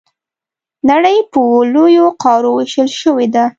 نړۍ په اووه لویو قارو وېشل شوې ده.